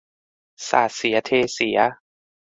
สาดเสียเทเสีย